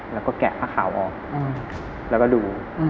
แล้วก็แกะผ้าขาวออกแล้วก็ดู